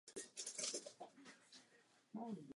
Od útlého věku jevil velký zájem o náboženství a bibli.